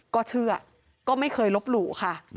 ก็เชื่อก็ไม่เคยลบหลู่ค่ะ